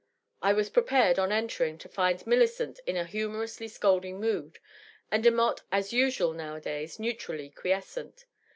I was prepared, on entering, to find Millicent in a humorously scolding mood, and Demotte, as usual now adays, neutrally quiescent.